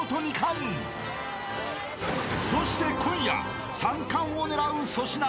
［そして今夜３冠を狙う粗品